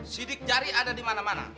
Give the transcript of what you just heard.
sidik jari ada di mana mana